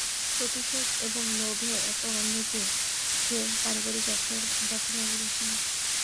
প্রতিশোধ এবং লোভে এতটা অন্ধ যে, সে পারিবারিক ব্যবসার ব্যপারে উদাসীন।